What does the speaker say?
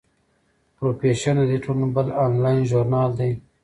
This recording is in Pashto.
پروفیشن د دې ټولنې بل انلاین ژورنال دی.